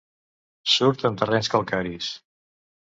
Surt en terrenys calcaris.